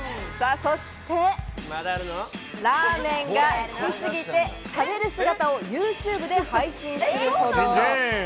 そして、ラーメンが好きすぎて、食べる姿をＹｏｕＴｕｂｅで配信するほど。